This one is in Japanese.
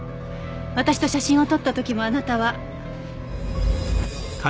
私と写真を撮った時もあなたは。